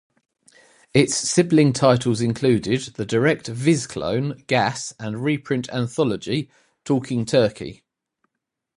Its sibling titles included the direct "Viz" clone "Gas" and reprint anthology "Talking Turkey".